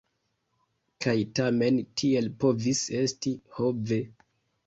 Kaj tamen tiel povis esti: ho ve!